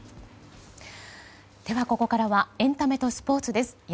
ここからはエンタメとスポーツです。